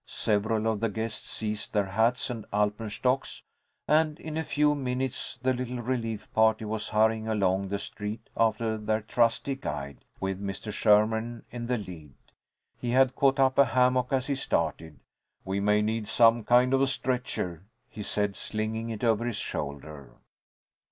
Several of the guests seized their hats and alpenstocks, and in a few minutes the little relief party was hurrying along the street after their trusty guide, with Mr. Sherman in the lead. He had caught up a hammock as he started. "We may need some kind of a stretcher," he said, slinging it over his shoulder.